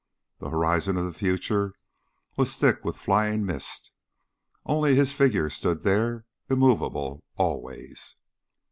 The horizon of the future was thick with flying mist. Only his figure stood there, immovable, always.